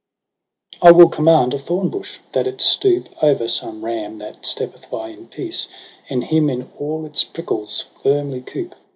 H ' I will command a thornbush, that it stoop Over some ram that steppeth by in peace. And him in all its prickles firmly coop